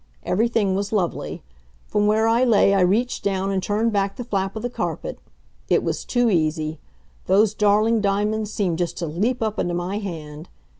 Everything was lovely. From where I lay I reached down and turned back the flap of the carpet. It was too easy. Those darling diamonds seemed just to leap up into my hand.